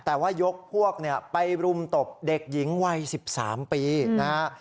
แต่ว่ายกพวกไปรุมตบเด็กหญิงวัย๑๓ปีนะฮะ